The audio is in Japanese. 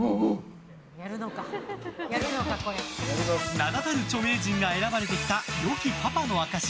名だたる著名人が選ばれてきた良きパパの証し